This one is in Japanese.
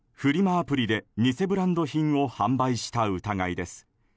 アプリで偽ブランド品を販売した疑いです。